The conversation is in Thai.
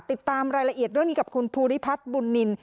ติดตามรายละเอียดเรื่องนี้กับคุณภูริพัฒน์บุญนิน